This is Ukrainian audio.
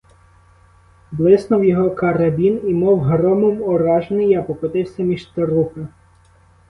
Блиснув його карабін, — і мов громом уражений я покотився між трупи.